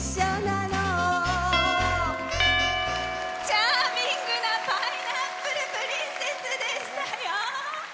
チャーミングな「パイナップル・プリンセス」でしたよ！